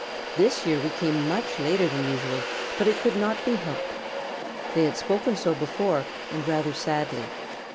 This year we came much later than usual, but it could not be helped." They had spoken so before, and rather sadly.